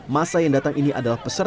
masa yang datang ini adalah peserta